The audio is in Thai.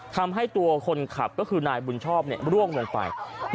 ทำให้ตัวคนขับก็คือนายบุญชอบร่วงลงไป